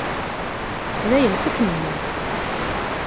Dayen, fukken-iyi.